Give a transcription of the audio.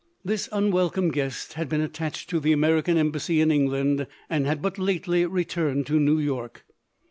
This unwelcome guest had been attached to the American embassy in England, and had but lately returned to New York.